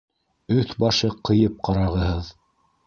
Өҫ-башы ҡыйып ҡарағыһыҙ.